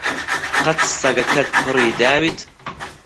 قەت سەگەکەت پڕی داویت؟